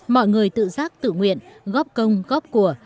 mọi người tự giác tự nguyện góp công góp của